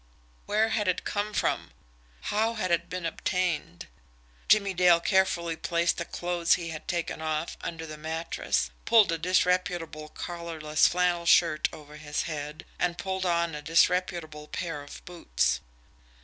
Where had it come from? How had it been obtained? Jimmie Dale carefully placed the clothes he had taken off under the mattress, pulled a disreputable collarless flannel shirt over his head, and pulled on a disreputable pair of boots.